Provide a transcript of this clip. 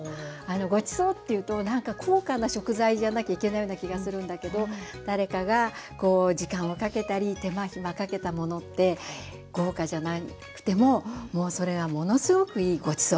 ごちそうというとなんか高価な食材じゃなきゃいけないような気がするんだけど誰かが時間をかけたり手間暇かけたものって豪華じゃなくてもそれはものすごくいいごちそう。